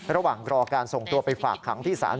ระหว่างรอการส่งตัวไปฝากขังที่ศาล